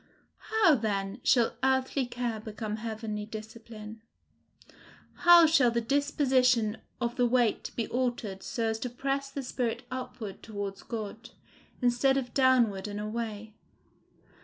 How, then, shall earthly care become heavenly discipline? How shall the disposition of the weight be altered so as to press the spirit upward towards God, instead of downward and away?